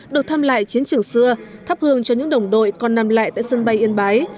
được thăm lại chiến trường xưa thắp hương cho những đồng đội còn nằm lại tại sân bay yên bái